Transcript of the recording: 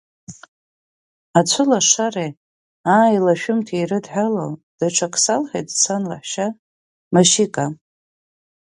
Ацәылашареи ааилашәымҭеи ирыдҳәалоу даҽакы салҳәеит сан лаҳәшьа Машьика.